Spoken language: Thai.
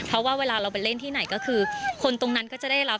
เพราะว่าเวลาเราไปเล่นที่ไหนก็คือคนตรงนั้นก็จะได้รับ